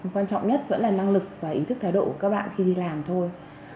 quan trọng nhất vẫn là năng lực và ý thức thái độ của các bạn khi đi làm thôi